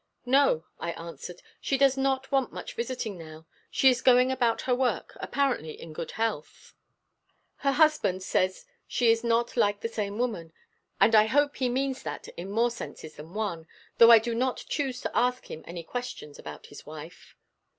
"No," I answered. "She does not want much visiting now; she is going about her work, apparently in good health. Her husband says she is not like the same woman; and I hope he means that in more senses than one, though I do not choose to ask him any questions about his wife."